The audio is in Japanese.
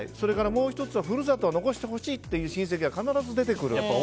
もう１つは故郷を残してほしいという親戚が必ず出てくる。